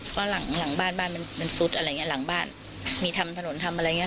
เพราะหลังบ้านมันซุดอะไรอย่างนี้หลังบ้านมีถามถนนทำอะไรอย่างนี้